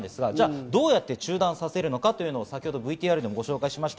どうやって中断させるのかというのをＶＴＲでご紹介しました。